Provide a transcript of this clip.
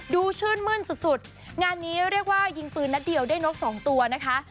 ชื่นมื้นสุดงานนี้เรียกว่ายิงปืนนัดเดียวได้นกสองตัวนะคะ